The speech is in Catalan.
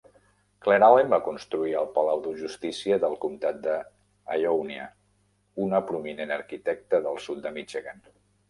Claire Allen va construir el Palau de Justícia del comtat de Ionia, una prominent arquitecta del sud de Michigan.